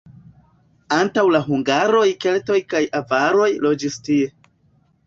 Antaŭ la hungaroj keltoj kaj avaroj loĝis tie.